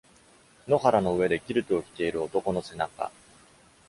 野原の上でキルトを着ている男の背中。